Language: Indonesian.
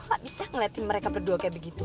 kok gak bisa ngeliatin mereka berdua kayak begitu